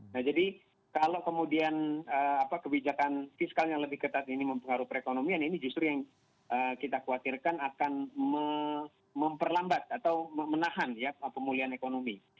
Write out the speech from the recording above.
nah jadi kalau kemudian kebijakan fiskal yang lebih ketat ini mempengaruhi perekonomian ini justru yang kita khawatirkan akan memperlambat atau menahan ya pemulihan ekonomi